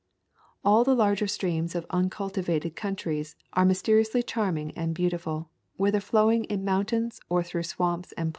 All the larger streams of uncultivated coun tries are mysteriously charming and beautiful, whether flowing in mountains or through swamps and plains.